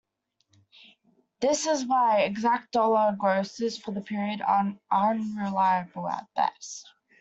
This is why exact dollar grosses for the period are unreliable at best.